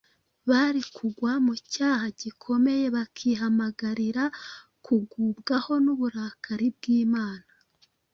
bari kugwa mu cyaha gikomeye bakihamagarira kugubwaho n’uburakari bw’imana.